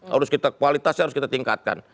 harus kita kualitasnya harus kita tingkatkan